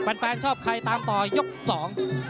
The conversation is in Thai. แฟนแฟนชอบใครตามต่อยกสอง